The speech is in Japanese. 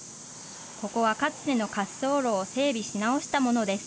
ここはかつての滑走路を整備し直したものです。